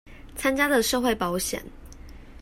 參加的社會保險